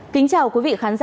kính chào quý vị khán giả